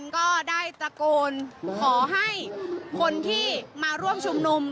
ก็ได้ตะโกนขอให้คนที่มาร่วมชุมนุม